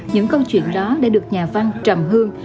những câu chuyện đó đã được nhà văn trầm hương